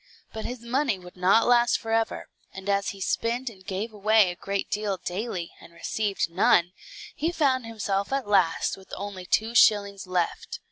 But his money would not last forever; and as he spent and gave away a great deal daily, and received none, he found himself at last with only two shillings left.